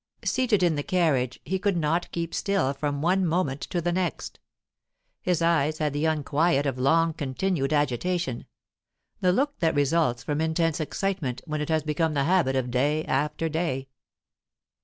Seated in the carriage, he could not keep still from one moment to the next. His eyes had the unquiet of long continued agitation, the look that results from intense excitement when it has become the habit of day after day.